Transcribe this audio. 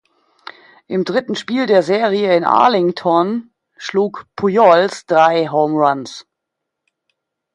Im dritten Spiel der Serie in Arlington schlug Pujols drei Homeruns.